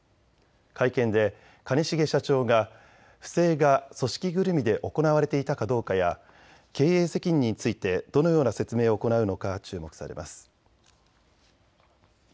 会見で兼重社長が不正が組織ぐるみで行われていたかどうかや経営責任についてどのような説明を行うのか注目されます。